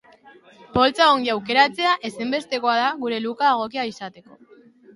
Poltsa ongi aukeratzea ezinbestekoa da gure look-a egokia izateko.